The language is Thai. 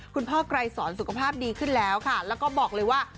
คุณพ่อไกรสรสุขภาพดีขึ้นแล้วแล้วก็บอกเลยว่า